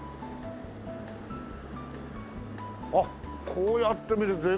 あっこうやって見るとでか。